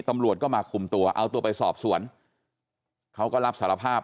ตำรวจก็มาคุมตัวเอาตัวไปสอบสวนเขาก็รับสารภาพ